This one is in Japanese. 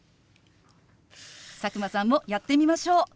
佐久間さんもやってみましょう。